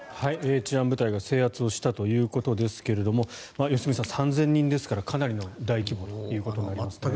治安部隊が制圧をしたということですが良純さん、３０００人ですからかなりの大規模となりますね。